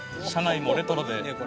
車内もレトロで」